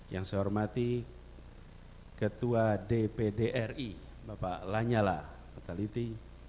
yang saya hormati ketua dpdri bapak lanyala petaliti